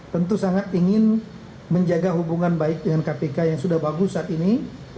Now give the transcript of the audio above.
tentu sangat ingin menjaga hubungan baik dengan kpk yang sudah bagus saat ini